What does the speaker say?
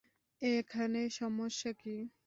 এখানে সমস্যা কি?